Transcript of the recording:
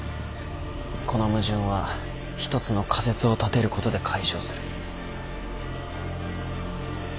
この矛盾は１つの仮説を立てることで解消する。